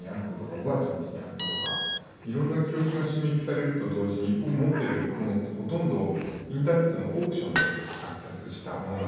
「おばあちゃんちにあった」とかいろんな記憶が刺激されると同時に僕持ってるものってほとんどインターネットのオークションで落札したものなんですね。